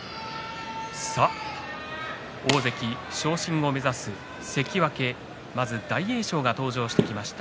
さあ、大関昇進を目指す関脇、まずは大栄翔が登場してきました。